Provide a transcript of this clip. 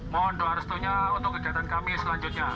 mohon doa restunya untuk kegiatan kami selanjutnya